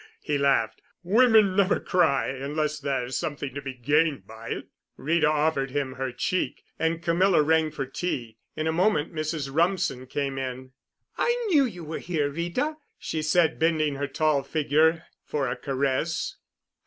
he laughed. "Women never cry unless there's something to be gained by it." Rita offered him her cheek, and Camilla rang for tea. In a moment Mrs. Rumsen came in. "I knew you were here, Rita," she said, bending her tall figure for a caress.